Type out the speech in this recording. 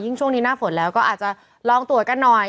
ช่วงนี้หน้าฝนแล้วก็อาจจะลองตรวจกันหน่อย